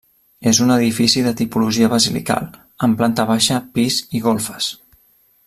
És un edifici de tipologia basilical, amb planta baixa, pis i golfes.